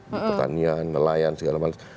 di pertanian nelayan segala macam